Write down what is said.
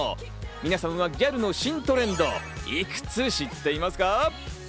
皆さんはギャルの新ドレンド、いくつ知っていますか？